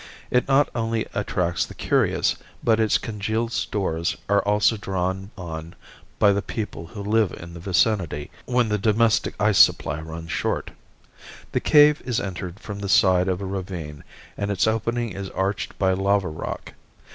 It not only attracts the curious, but its congealed stores are also drawn on by the people who live in the vicinity when the domestic ice supply runs short. The cave is entered from the side of a ravine and its opening is arched by lava rock.